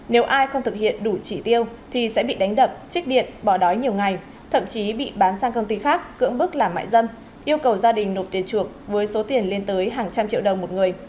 nếu ai không thực hiện đủ chỉ tiêu thì sẽ bị đánh đập trích điện bỏ đói nhiều ngày thậm chí bị bán sang công ty khác cưỡng bức làm mại dâm yêu cầu gia đình nộp tiền chuộc với số tiền lên tới hàng trăm triệu đồng một người